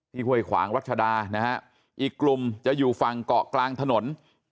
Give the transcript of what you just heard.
ห้วยขวางรัชดานะฮะอีกกลุ่มจะอยู่ฝั่งเกาะกลางถนน